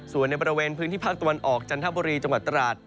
ส่วนในบริเวณพื้นที่ภาคตะวันออกจันทบุรีจังหวัดตราด